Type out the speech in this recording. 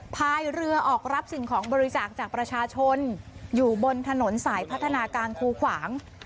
พายเรือออกรับสิ่งของบริจาคจากประชาชนอยู่บนถนนสายพัฒนาการคูขวาง